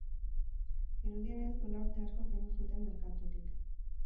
Dirudienez, duela urte asko kendu zuten merkatutik.